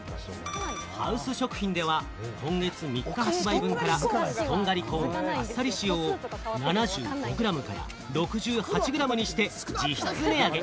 ハウス食品では今月３日発売分から「とんがりコーンあっさり塩」を７５グラムから６８グラムにして実質値上げ。